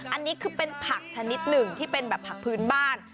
อันนี้คือเป็นผักชนิดหนึ่งที่เป็นแบบผักพื้นบ้าน